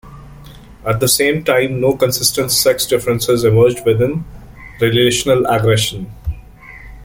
At the same time no consistent sex differences emerged within relational aggression.